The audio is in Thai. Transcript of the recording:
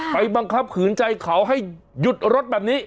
บังคับขืนใจเขาให้หยุดรถแบบนี้